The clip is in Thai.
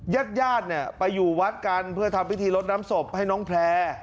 ยักษ์ญาติไปอยู่วัดกันเพื่อทำวิธีลดน้ำศพให้น้องแพรร์